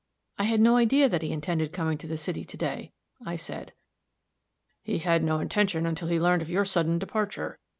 I had no idea that he intended coming to the city to day," I said. "He had no intention until he learned of your sudden departure.